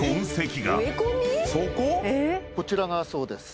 こちらがそうです。